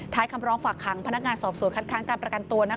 คำร้องฝากขังพนักงานสอบสวนคัดค้างการประกันตัว